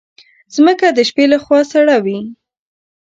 مځکه د شپې له خوا سړه وي.